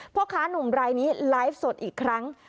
พ่อค้านุ่มรายนี้ไลฟ์สดอีกครั้ง